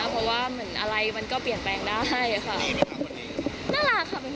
เพราะว่าเหมือนอะไรมันก็เปลี่ยนแบงได้